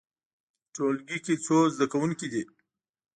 ټولګی کې څو زده کوونکي دي؟